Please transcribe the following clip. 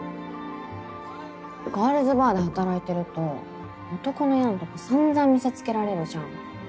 ガールズバーで働いてると男のやなとこ散々見せつけられるじゃん。